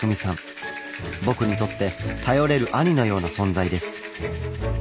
僕にとって頼れる兄のような存在です。